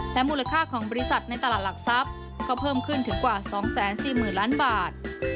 มูลค่าของบริษัทในตลาดหลักทรัพย์ก็เพิ่มขึ้นถึงกว่า๒๔๐๐๐ล้านบาท